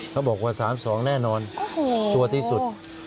บอกว่า๓๒แน่นอนชัวร์ที่สุด